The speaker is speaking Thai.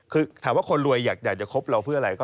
คือถามว่าคนรวยอยากจะคบเราเพื่ออะไร